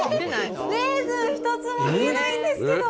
レーズン一つも見えないんですけど。